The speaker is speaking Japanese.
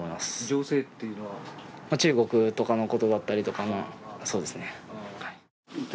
情勢っていうのは中国とかのことだったりとかまあそうですね